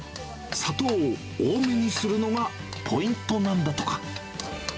砂糖を多めにするのがポイントなんだとか。